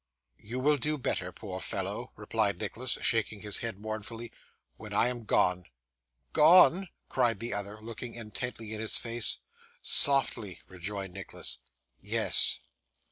'You will do better, poor fellow,' replied Nicholas, shaking his head mournfully, 'when I am gone.' 'Gone!' cried the other, looking intently in his face. 'Softly!' rejoined Nicholas. 'Yes.